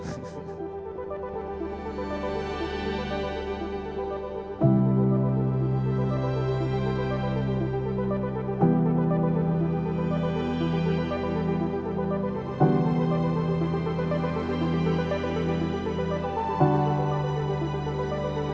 ทำด้วยความรู้ของตัวเองที่ตัวเองรู้แค่นั้น